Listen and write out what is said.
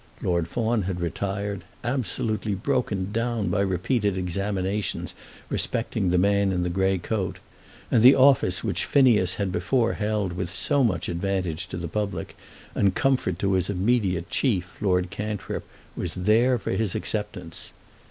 Lord Fawn had retired, absolutely broken down by repeated examinations respecting the man in the grey coat, and the office which Phineas had before held with so much advantage to the public, and comfort to his immediate chief, Lord Cantrip, was there for his acceptance.